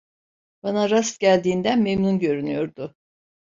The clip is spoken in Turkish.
Bana rast geldiğinden memnun görünüyordu.